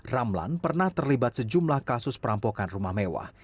ramlan pernah terlibat sejumlah kasus perampokan rumah mewah